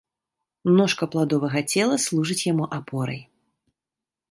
Ножка пладовага цела служыць яму апорай.